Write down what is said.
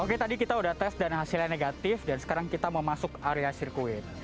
oke tadi kita sudah tes dan hasilnya negatif dan sekarang kita mau masuk area sirkuit